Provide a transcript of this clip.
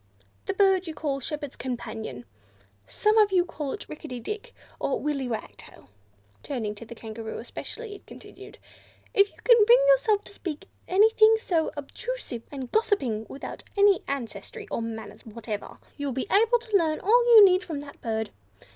"The bird you call Shepherd's Companion. Some of you call it Rickety Dick, or Willy Wagtail." Turning to the Kangaroo especially, it continued, "If you can bring yourself to speak to anything so obtrusive and gossiping, without any ancestry or manners whatever, you will be able to learn all you need from that bird.